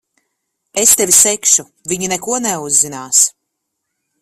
Es tevi segšu. Viņa neko neuzzinās.